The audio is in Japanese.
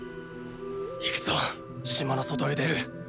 行くぞ島の外へ出る。